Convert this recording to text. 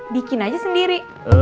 bikin aja sendiri